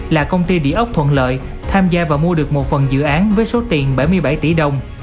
là công ty địa ốc thuận lợi tham gia và mua được một phần dự án với số tiền bảy mươi bảy tỷ đồng